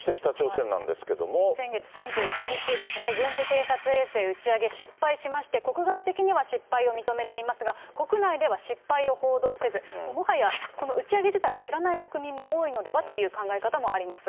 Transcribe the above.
先月３１日ですね、軍事偵察衛星打ち上げ失敗しまして、国外的には失敗を認めていますが、国内では失敗を報道せず、もはやこの打ち上げ自体を知らない国民も多いのではという考え方もあります。